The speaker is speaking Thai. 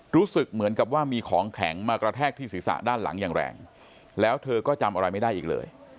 รู้สึกเหมือนกับว่ามีของแข็งมากระแทกที่ศีรษะด้านหลังอย่างแรงแล้วเธอก็จำอะไรไม่ได้อีกเลย